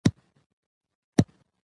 کلتور د افغانستان د سیلګرۍ برخه ده.